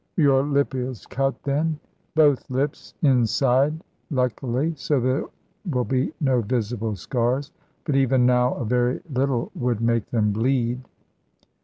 "Your lip is cut, then?" "Both lips inside, luckily, so there will be no visible scars. But even now a very little would make them bleed."